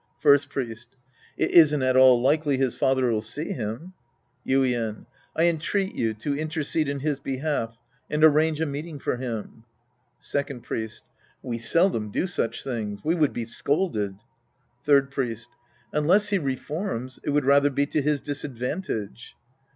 First Priest. It isn't at all likely his farther'll see him. Yuien. I entreat you to intercede in his behalf and arrange a meeting for him. Second Priest. We seldom do such things. We would be scolded. Third Priest. Unless he reforms, it would rather be to his disadvantage.